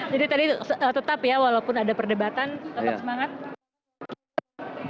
jadi tadi tetap ya walaupun ada perdebatan tetap semangat